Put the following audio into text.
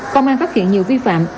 công an phát hiện nhiều vi phạm